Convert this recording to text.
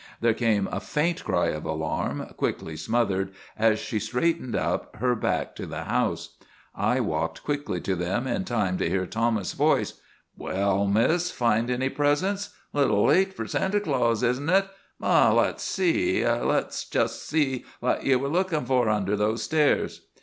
There came a faint cry of alarm, quickly smothered, as she straightened up, her back to the house. I walked quickly to them in time to hear Thomas's voice: "Well, miss, find any presents? Little late for Santa Claus, isn't it? But let's see. Let's just see what you were looking for under those stairs."